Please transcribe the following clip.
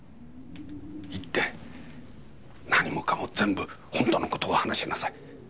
行って何もかも全部ほんとの事を話しなさい。